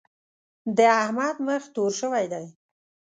د احمد مخ تور شوی دی.